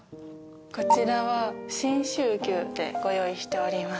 こちらは信州牛でご用意しております。